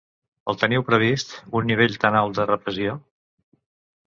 El teniu previst, un nivell tan alt de repressió?